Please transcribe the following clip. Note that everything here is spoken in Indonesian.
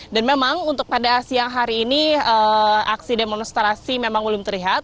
dan memang untuk pada siang hari ini aksi demonstrasi memang belum terlihat